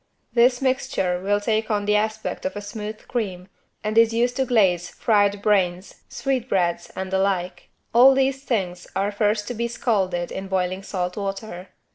This mixture will take on the aspect of a smooth cream and is used to glaze fried brains, sweetbreads and the like. All these things are first to be scalded in boiling salt water.